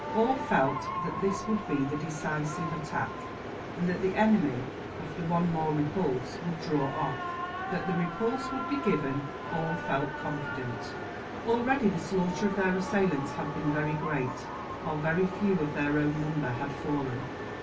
All felt that this would be the decisive attack; and that the enemy, after one more repulse, would draw off. That the repulse would be given, all felt confident. Already the slaughter of their assailants had been very great, while very few of their own number had fallen.